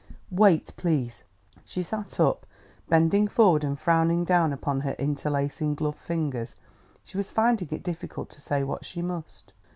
"Wait, please." She sat up, bending forward and frowning down upon her interlacing, gloved fingers; she was finding it difficult to say what she must.